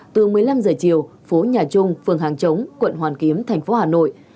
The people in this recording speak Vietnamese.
từ một mươi năm h chiều phố nhà trung phường hàng chống quận hoàn kiếm thành phố hà nội